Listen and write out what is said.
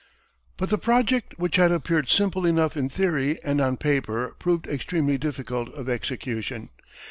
But the project which had appeared simple enough in theory and on paper, proved extremely difficult of execution.